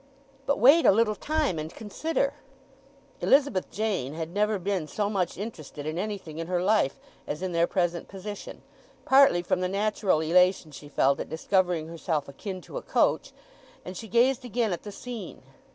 "But wait a little time and consider." Elizabeth Jane had never been so much interested in anything in her life as in their present position, partly from the natural elation she felt at discovering herself akin to a coach; and she gazed again at the scene.